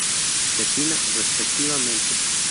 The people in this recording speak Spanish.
Cetina, respectivamente.